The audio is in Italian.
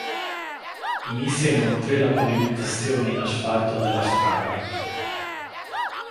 Inizia inoltre la pavimentazione in asfalto della strada.